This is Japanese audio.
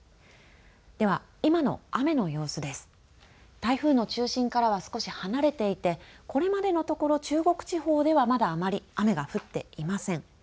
台風の中心からは少し離れていてこれまでのところ中国地方ではまだ雨が降っていません。